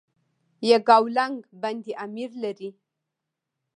یکاولنګ بند امیر لري؟